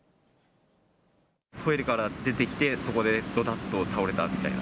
トイレから出てきて、そこで、どたっと倒れたみたいな。